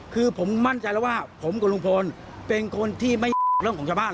คือผมมั่นใจแล้วว่าผมกับลุงพลเป็นคนที่ไม่เรื่องของชาวบ้าน